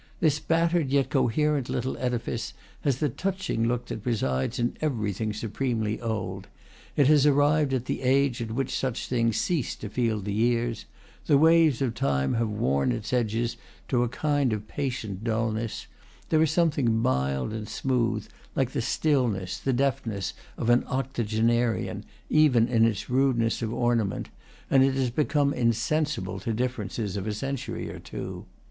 This battered yet coherent little edifice has the touching look that resides in everything supremely old: it has arrived at the age at which such things cease to feel the years; the waves of time have worn its edges to a kind of patient dul ness; there is something mild and smooth, like the stillness, the deafness, of an octogenarian, even in its rudeness of ornament, and it has become insensible to differences of a century or two.